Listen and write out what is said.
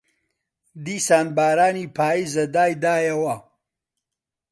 دیسان بارانی پاییزە دایدایەوە